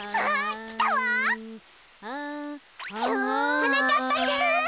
はなかっぱくん！